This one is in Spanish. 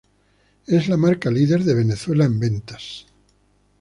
Es la marca líder de Venezuela en ventas.